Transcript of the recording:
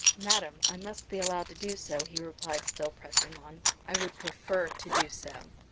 "Madam, I must be allowed to do so," he replied, still pressing on. "I would prefer to do so."